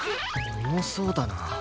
重そうだな